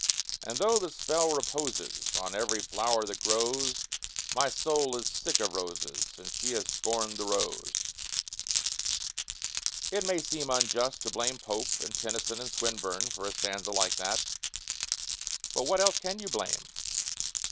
And though the spell reposes On every flower that grows, My soul is sick of roses Since she has scorned the rose. It may seem unjust to blame Pope and Tennyson and Swinburne for a stanza like that, but what else can you blame?